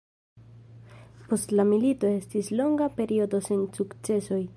Post la milito, estis longa periodo sen sukcesoj.